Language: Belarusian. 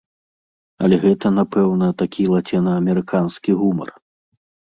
Але гэта, напэўна, такі лацінаамерыканскі гумар.